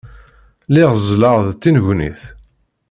Lliɣ ẓẓleɣ d tinnegnit.